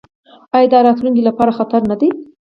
آیا دا د راتلونکي لپاره خطر نه دی؟